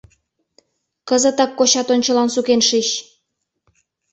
Кызытак кочат ончылан сукен шич!